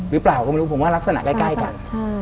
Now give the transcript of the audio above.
วิปราวก็ไม่รู้ผมว่ารักษณะใกล้กัน